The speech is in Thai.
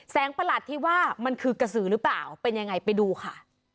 ประหลาดที่ว่ามันคือกระสือหรือเปล่าเป็นยังไงไปดูค่ะ